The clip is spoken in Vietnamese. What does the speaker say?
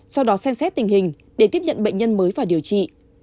sau đó xem xét tình hình để tiếp nhận bệnh nhân mới vào điều trị